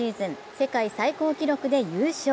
世界最高記録で優勝。